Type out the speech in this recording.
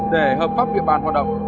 để hợp pháp địa bàn hoạt động